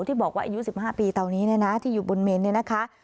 ที่บอกว่าอายุ๑๕ปีตอนนี้เนี่ยนะที่อยู่บนเมนเนี่ยนะคะ